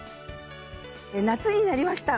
夏になりました。